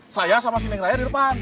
saya sama si neng raya di depan